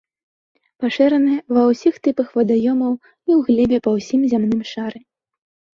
Пашыраны ва ўсіх тыпах вадаёмаў і ў глебе па ўсім зямным шары.